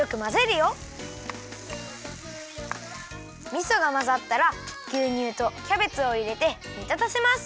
みそがまざったらぎゅうにゅうとキャベツをいれてにたたせます。